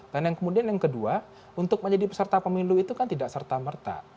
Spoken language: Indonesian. dan yang kemudian yang kedua untuk menjadi peserta pemilu itu kan tidak serta merta